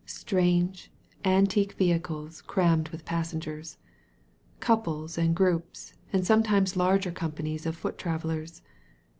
Strange, antique vehicles crammed with passengers. Couples and groups and sometimes larger companies of foot travellers.